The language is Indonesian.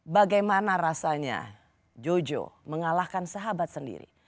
bagaimana rasanya jojo mengalahkan sahabat sendiri